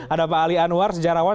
ada pak ali anwar sejarawan